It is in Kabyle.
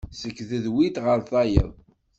Seg tedwilt γer tayeḍ.